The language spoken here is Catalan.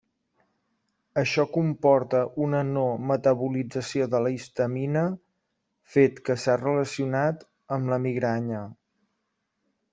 Això comporta una no metabolització de la histamina, fet que s’ha relacionat amb la migranya.